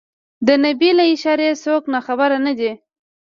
د نبي له اشارې څوک ناخبر نه دي.